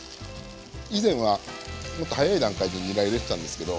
以前はもっと早い段階でにら入れてたんですけど